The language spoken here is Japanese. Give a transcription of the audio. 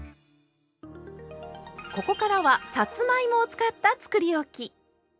ここからはさつまいもを使ったつくりおき！